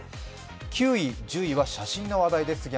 ９位、１０位は写真の話題です。